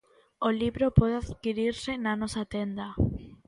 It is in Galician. O libro pode adquirirse na nosa tenda.